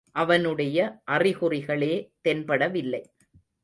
அவனுடைய அறிகுறிகளே தென்பட வில்லை.